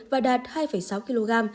và đạt hai sáu kg